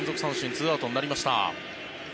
２アウトになりました。